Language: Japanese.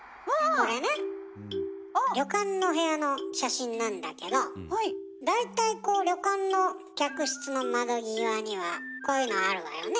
これね旅館の部屋の写真なんだけど大体こう旅館の客室の窓際にはこういうのあるわよね。